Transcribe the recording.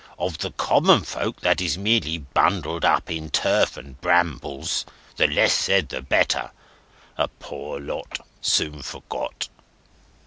Of the common folk, that is merely bundled up in turf and brambles, the less said the better. A poor lot, soon forgot."